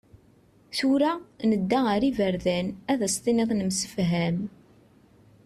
Tura, nedda ar yiberdan, Ad as-tiniḍ nemsefham.